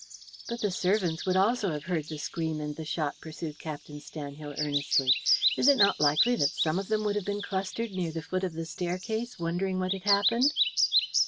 "But the servants would also have heard the scream and the shot," pursued Captain Stanhill earnestly. "Is it not likely that some of them would have been clustered near the foot of the staircase, wondering what had happened?"